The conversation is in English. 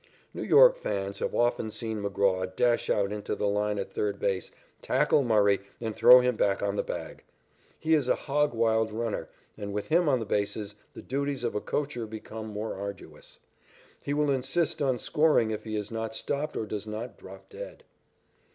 New York fans have often seen McGraw dash out into the line at third base, tackle Murray, and throw him back on the bag. He is a "hog wild" runner, and with him on the bases, the duties of a coacher become more arduous. He will insist on scoring if he is not stopped or does not drop dead.